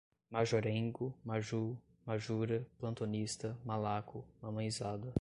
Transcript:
majorengo, majú, majura, plantonista, malaco, mamãezada